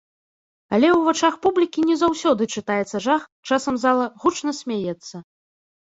Але ў вачах публікі не заўсёды чытаецца жах, часам зала гучна смяецца.